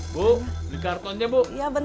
ibu beli kartonnya bu